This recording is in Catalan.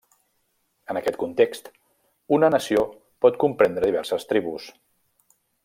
En aquest context, una nació pot comprendre diverses tribus.